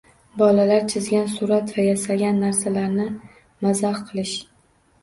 Bolalar chizgan surat va yasagan narsalarini mazax qilish.